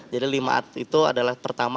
jadi limaat itu adalah pertama